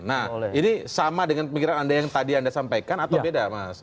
nah ini sama dengan pemikiran anda yang tadi anda sampaikan atau beda mas